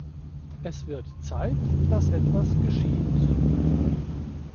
Es wird Zeit, dass etwas geschieht.